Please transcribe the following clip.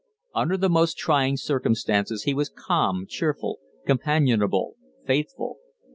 Under the most trying circumstances he was calm, cheerful, companionable, faithful.